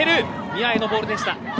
ニアへのボールでした。